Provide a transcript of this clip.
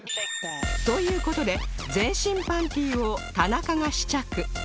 という事で全身パンティを田中が試着